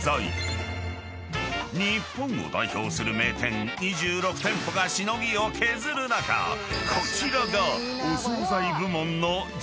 ［日本を代表する名店２６店舗がしのぎを削る中こちらがお総菜部門の上位１０品］